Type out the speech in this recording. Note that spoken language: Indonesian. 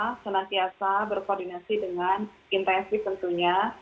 kita senantiasa berkoordinasi dengan intensif tentunya